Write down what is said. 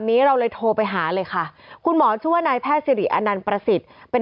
นี้เราเลยโทรไปหาเลยค่ะคุณหมอชื่อว่านายแพทย์สิริอนันต์ประสิทธิ์เป็น